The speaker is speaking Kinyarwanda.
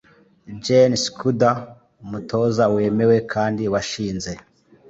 Jane Scudder, umutoza wemewe kandi washinze